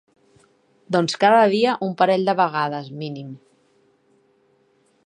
Doncs cada dia un parell de vegades mínim.